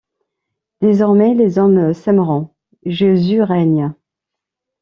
Désormais les hommes s’aimeront ; Jésus règne.